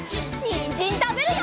にんじんたべるよ！